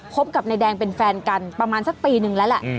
พบกับนายแดงเป็นแฟนกันประมาณสักปีนึงแล้วแหละ